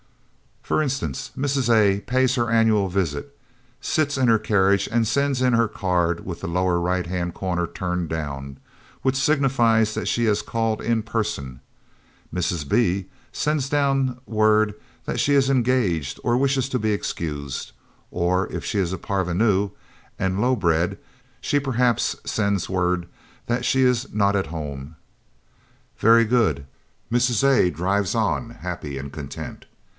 For instance, Mrs. A. pays her annual visit, sits in her carriage and sends in her card with the lower right hand corner turned down, which signifies that she has "called in person;" Mrs. B: sends down word that she is "engaged" or "wishes to be excused" or if she is a Parvenu and low bred, she perhaps sends word that she is "not at home." Very good; Mrs. A. drives on happy and content.